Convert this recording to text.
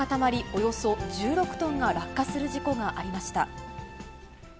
およそ１６トンが落下する事故がありました。